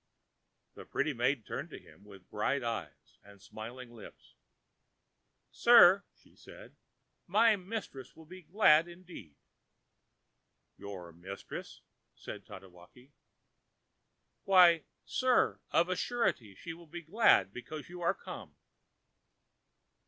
ã The pretty maiden turned to him with bright eyes and smiling lips. ãSir,ã she said, ãmy mistress will be glad indeed.ã ãYour mistress?ã said Tatewaki. ãWhy, sir, of a surety she will be glad because you are come.